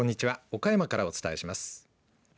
岡山からお伝えします。